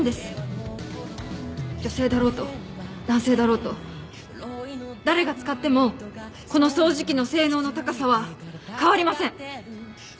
女性だろうと男性だろうと誰が使ってもこの掃除機の性能の高さは変わりません。